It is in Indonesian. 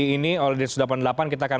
ini oledes delapan puluh delapan kita akan